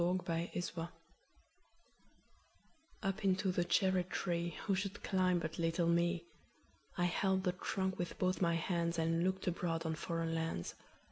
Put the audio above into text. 9. Foreign Lands UP into the cherry treeWho should climb but little me?I held the trunk with both my handsAnd looked abroad on foreign lands.